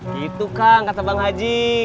gitu kang kata bang haji